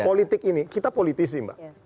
politik ini kita politisi mbak